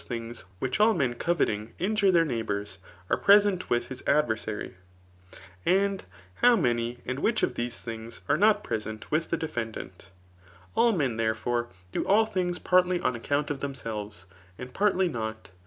things, which all men coveting ivij^^re their neighbours, are present with his adverjsaryi and how many and which of these things are not present with the^ defeodaat. All men, therefore, do all things partly oh account of themselves, and partly not.